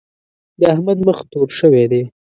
د احمد مخ تور شوی دی.